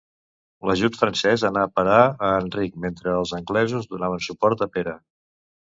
L'ajut francès anà a parar a Enric mentre els anglesos donaven suport a Pere.